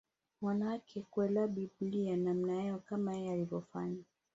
Wanaweza kuelewa Biblia namna yao kama yeye alivyofanya